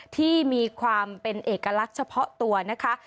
ที่มีความเป็นเอกลักษณ์เฉพาะตัวนะคะ